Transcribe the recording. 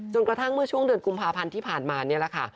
กระทั่งเมื่อช่วงเดือนกุมภาพันธ์ที่ผ่านมานี่แหละค่ะ